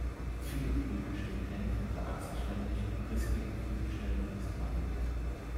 Viele Blüten stehen end- oder achselständig in rispigen Blütenständen zusammen.